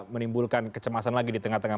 menimbulkan kecemasan lagi di tengah tengah